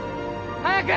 早く！